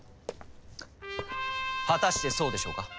果たしてそうでしょうか？